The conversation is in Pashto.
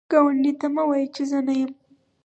ګاونډي ته مه وایی چې زه نه یم